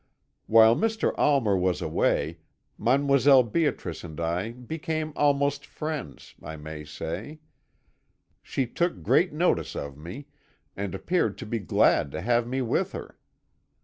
"While Mr. Almer was away, Mdlle. Beatrice and I became almost friends, I may say. She took great notice of me, and appeared to be glad to have me with her.